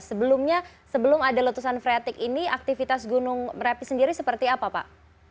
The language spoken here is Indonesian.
sebelumnya sebelum ada letusan freatik ini aktivitas gunung merapi sendiri seperti apa pak